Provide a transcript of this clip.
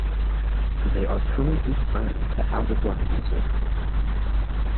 They are currently signed to Out of Line Music.